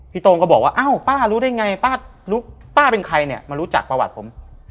ตรงก็บอกว่าอ้าวป้ารู้ได้ไงป้าเป็นใครเนี่ยมารู้จักประวัติผม